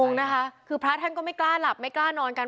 งงนะคะคือพระท่านก็ไม่กล้าหลับไม่กล้านอนกัน